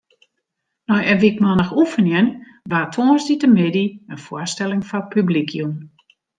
Nei in wykmannich oefenjen waard tongersdeitemiddei in foarstelling foar publyk jûn.